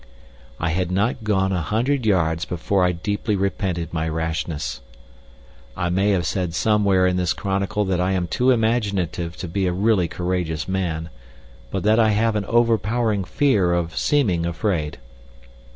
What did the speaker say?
I had not gone a hundred yards before I deeply repented my rashness. I may have said somewhere in this chronicle that I am too imaginative to be a really courageous man, but that I have an overpowering fear of seeming afraid.